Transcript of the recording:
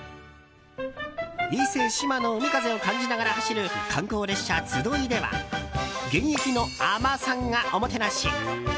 伊勢志摩の海風を感じながら走る観光列車「つどい」では現役の海女さんがおもてなし！